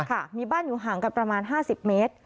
ค่ะมีบ้านอยู่ห่างกันประมาณ๕๐เมตร